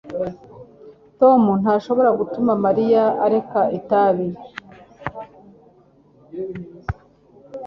tom ntashobora gutuma mariya areka itabi